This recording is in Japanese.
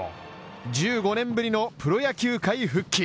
１５年ぶりのプロ野球界復帰。